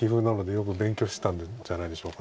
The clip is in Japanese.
よく勉強してたんじゃないでしょうか。